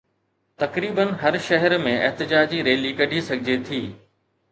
تقريبن هر شهر ۾ احتجاجي ريلي ڪڍي سگهجي ٿي